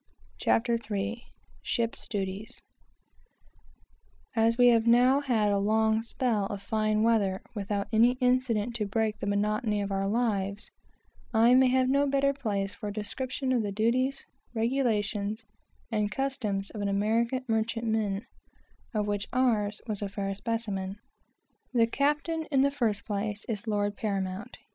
CHAPTER III SHIP'S DUTIES TROPICS As we had now a long "spell" of fine weather, without any incident to break the monotony of our lives, there can be no better place to describe the duties, regulations, and customs of an American merchantman, of which ours was a fair specimen. The captain, in the first place, is lord paramount.